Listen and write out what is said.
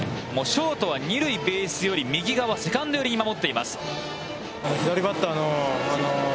ショートは二塁ベースより右側、セカンド寄りに守っています。